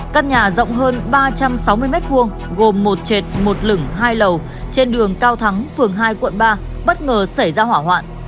căn nhà rộng hơn ba trăm sáu mươi m hai gồm một trệt một lửng hai lầu trên đường cao thắng phường hai quận ba bất ngờ xảy ra hỏa hoạn